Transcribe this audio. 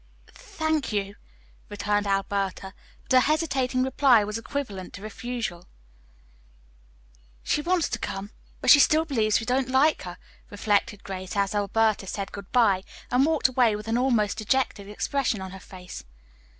"Thank you," returned Alberta, but her hesitating reply was equivalent to refusal. "She wants to come, but she still believes we don't like her," reflected Grace, as Alberta said good bye and walked away with an almost dejected expression on her face.